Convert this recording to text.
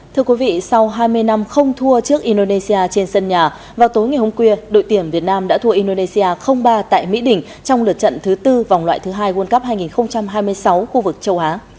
thưa quý vị sau hai mươi năm không thua trước indonesia trên sân nhà vào tối ngày hôm kia đội tuyển việt nam đã thua indonesia ba tại mỹ đỉnh trong lượt trận thứ tư vòng loại thứ hai world cup hai nghìn hai mươi sáu khu vực châu á